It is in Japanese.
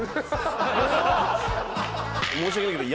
申し訳ないけど。